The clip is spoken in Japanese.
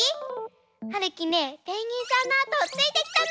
はるきねペンギンさんのあとをついてきたの！